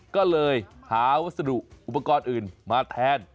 ก็เลยหาวัสดุอุปกรณ์อื่นมาแทน